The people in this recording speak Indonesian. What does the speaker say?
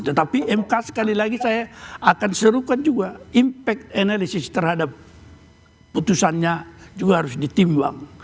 tetapi mk sekali lagi saya akan serukan juga impact analisis terhadap putusannya juga harus ditimbang